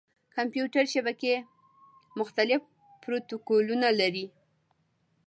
د کمپیوټر شبکې مختلف پروتوکولونه لري.